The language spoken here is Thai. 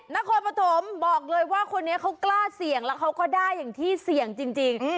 นครปฐมบอกเลยว่าคนนี้เขากล้าเสี่ยงแล้วเขาก็ได้อย่างที่เสี่ยงจริง